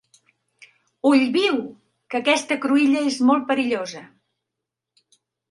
Ull viu!, que aquesta cruïlla és molt perillosa.